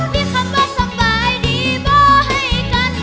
มีคำว่าสบายดีบ่ให้กัน